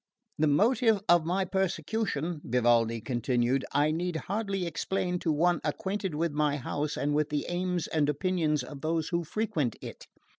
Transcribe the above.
"The motive of my persecution," Vivaldi continued, "I need hardly explain to one acquainted with my house and with the aims and opinions of those who frequent it.